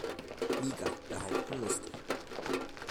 Liga, behaupten musste.